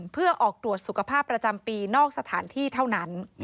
เพื่อออกตรวจสุขภาพประจำปีนอกสถานที่เท่านั้น